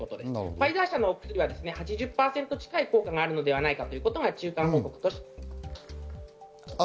ファイザー社の薬は８０％近い効果があるということが中間報告として。